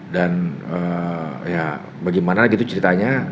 dan ya bagaimana gitu ceritanya